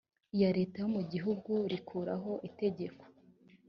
iya leta yo mu gihugu rikuraho itegeko